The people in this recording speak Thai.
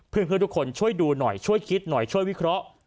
เพื่อนทุกคนช่วยดูหน่อยช่วยคิดหน่อยช่วยวิเคราะห์